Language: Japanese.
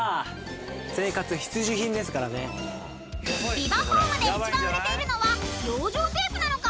［ビバホームで一番売れているのは養生テープなのか？